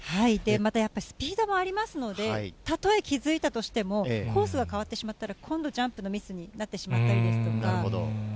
またやっぱスピードもありますので、たとえ気付いたとしても、コースが変わってしまったら、今度ジャンプのミスになってしまったりですとか。